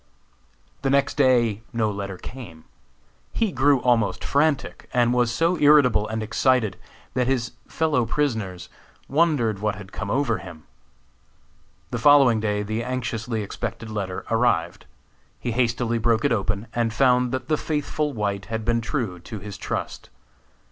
The next day no letter came. He grew almost frantic, and was so irritable and excited that his fellow prisoners wondered what had come over him. The following day the anxiously expected letter arrived. He hastily broke it open and found that the faithful White had been true to his trust.